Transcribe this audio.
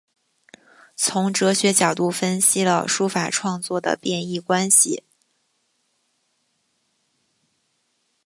从哲学角度分析了书法创作的变易关系。